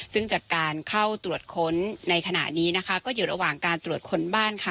ซึ่งจากการเข้าตรวจค้นในขณะนี้นะคะก็อยู่ระหว่างการตรวจค้นบ้านค่ะ